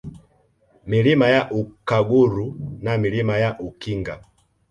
Milima ya Ukaguru na Milima ya Ukinga